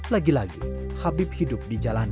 lagi lagi habib hidup di jalan